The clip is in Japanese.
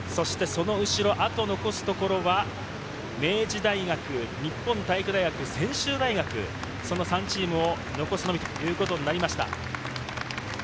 あと残すところは明治大学、日本体育大学、専修大学、その３チームを残すのみということになりました。